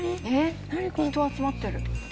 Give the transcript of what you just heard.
人集まってる。